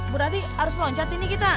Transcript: berarti harus loncat ini kita